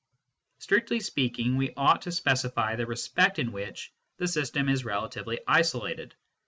Strictly speaking, we ought to specify the respect in which the system is relatively isolated.